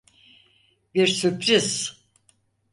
Bir sürpriz.